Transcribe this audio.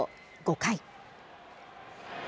５回。